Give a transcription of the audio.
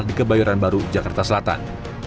di kebayoran baru jakarta selatan